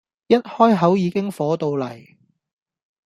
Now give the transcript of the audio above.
一開口已經火到黎